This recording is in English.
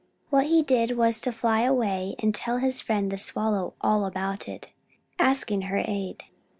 What he did was to fly away and tell his friend the Swallow all about it, asking her aid.